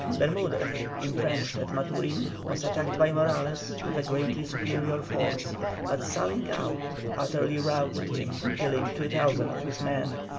Bermudez, entrenched at Maturin, was attacked by Morales with a greatly superior force, but sallying out, utterly routed him, killing 2,000 of his men.